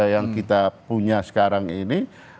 yang kita punya sekarang ini